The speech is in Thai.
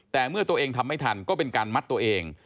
แต่เมื่อตัวเองทำไม่ทันก็เป็นการมัดตัวเอง